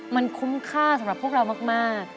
มันคุ้มค่าสำหรับพวกเรามาก